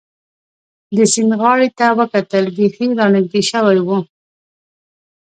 د سیند غاړې ته وکتل، بېخي را نږدې شوي و.